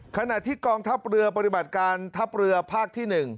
ขณะที่กองทัพเรือปฏิบัติการทัพเรือภาคที่๑